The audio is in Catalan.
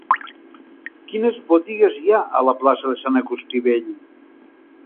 Quines botigues hi ha a la plaça de Sant Agustí Vell?